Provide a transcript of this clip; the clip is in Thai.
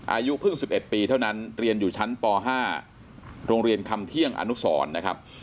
อายุเพิ่ง๑๑ปีเท่านั้นเรียนอยู่ชั้นป๕โรงเรียนคำเที่ยงอนุสรนะครับ